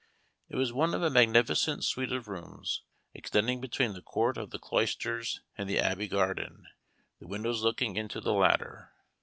It was one of a magnificent suite of rooms, extending between the court of the cloisters and the Abbey garden, the windows looking into the latter.